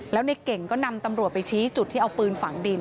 แล้วในเก่งก็นำตำรวจไปชี้จุดที่เอาปืนฝังดิน